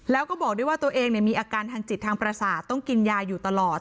แล้วก็บอกด้วยว่าตัวเองมีอาการทางจิตทางประสาทต้องกินยาอยู่ตลอด